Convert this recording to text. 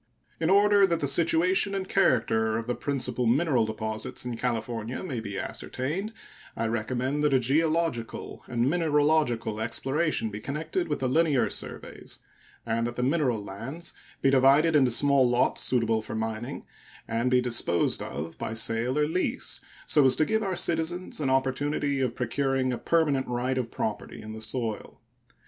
In order that the situation and character of the principal mineral deposits in California may be ascertained, I recommend that a geological and mineralogical exploration be connected with the linear surveys, and that the mineral lands be divided into small lots suitable for mining and be disposed of by sale or lease, so as to give our citizens an opportunity of procuring a permanent right of property in the soil.